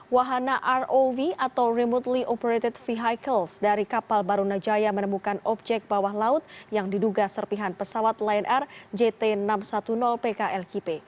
wahana rov atau remotely operated vehicles dari kapal barunajaya menemukan objek bawah laut yang diduga serpihan pesawat lion air jt enam ratus sepuluh pklkp